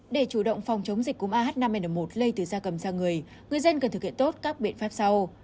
để chủ động phòng chống dịch cúm ah năm n một lây từ da cầm sang người người dân cần thực hiện tốt các biện pháp sau